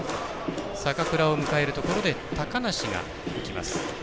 坂倉を迎えるところで高梨が行きます。